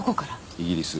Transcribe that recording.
イギリス。